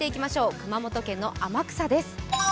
熊本県の天草です。